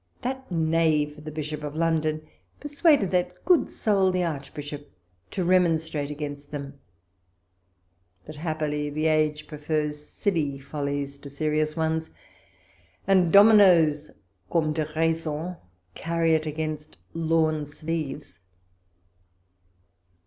That knave the Bishop of London persuaded that good soul the Archbishop to remonstrate against them ; but happily the age prefers silly follies to serious ones, and dominos, comme dc raizon, carry it against lawn sleeves.